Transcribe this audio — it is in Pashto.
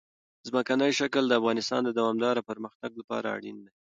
ځمکنی شکل د افغانستان د دوامداره پرمختګ لپاره اړین دي.